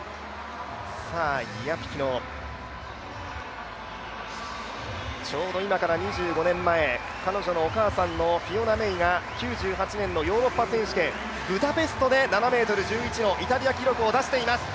イアピキノ、ちょうど今から２５年前彼女のお母さんのフィオナ・メイが９８年のヨーロッパ選手権、ブダペストで７ｍ１１のイタリア記録を出しています。